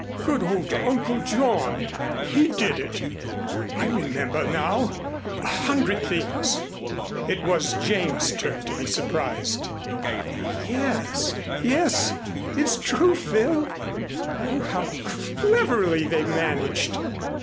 "Good old Uncle John! He did it. I remember now a hundred things." It was Jane's turn to be surprised. "Yes yes. It's true, Phil. Oh, how cleverly they managed!